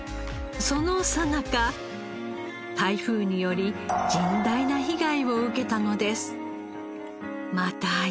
そのさなか台風により甚大な被害を受けたのです。